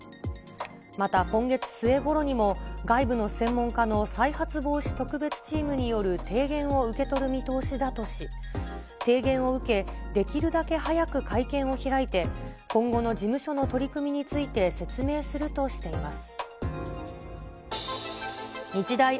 また今月末ごろにも外部の専門家の再発防止特別チームによる提言を受け取る見通しだとし、提言を受け、できるだけ早く会見を開いて、今後の事務所の取り組みについて説明するとしています。